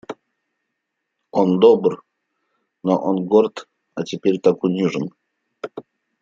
Он добр, но он горд, а теперь так унижен.